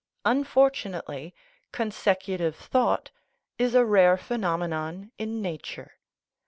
Unfortunately, consec utive thought is a rare phenomenon in nature.